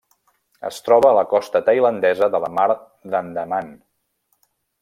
Es troba a la costa tailandesa de la Mar d'Andaman.